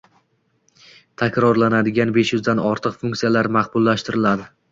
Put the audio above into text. takrorlanadigan besh yuzdan ortiq funksiyalar maqbullashtiriladi.